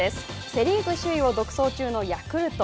セ・リーグ首位を独走中のヤクルト。